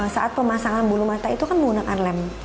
saat pemasangan bulu mata itu kan menggunakan lem